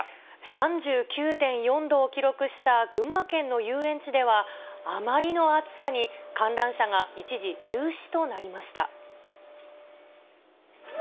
３９．４度を記録した群馬県の遊園地では、あまりの暑さに、観覧車が一時、休止となりました。